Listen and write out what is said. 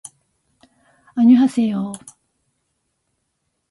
あにょはせよ